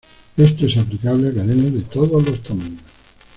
Esto es aplicable a cadenas de todos los tamaños.